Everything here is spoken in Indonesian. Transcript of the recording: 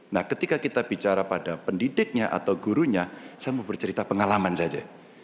nah ketika kita bicara pada pendidiknya atau gurunya saya mau bercerita pengalaman saja